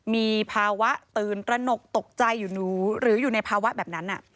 มีภาวะตื่นตระหนกตกใจอยู่หนูหรืออยู่ในภาวะแบบนั้น